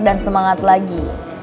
dan semangat lagi